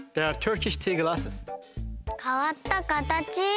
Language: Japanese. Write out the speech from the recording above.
かわったかたち！